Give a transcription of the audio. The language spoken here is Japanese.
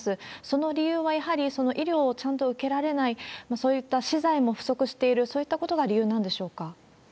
その理由はやはり、医療をちゃんと受けられない、そういった資材も不足している、そういったことが理由なんでしょうか。